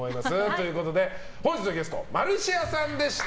ということで本日のゲストマルシアさんでした。